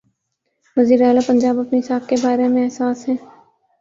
وزیر اعلی پنجاب اپنی ساکھ کے بارے میں حساس ہیں۔